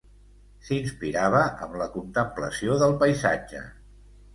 S'inspirava amb la contemplació del paisatge.